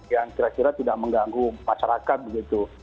yang kira kira tidak mengganggu masyarakat begitu